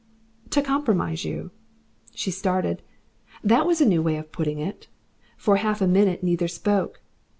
"To compromise you." She started. That was a new way of putting it. For half a minute neither spoke.